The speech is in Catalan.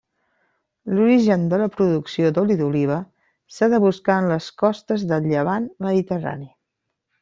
L'origen de la producció d'oli d'oliva s'ha de buscar en les costes del llevant mediterrani.